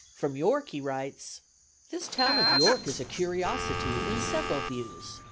From York he writes: "This town of York is a curiosity, in several views.